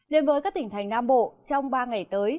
đến với các tỉnh thành nam bộ trong ba ngày tới